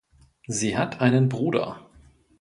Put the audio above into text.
Sie hat einen Bruder.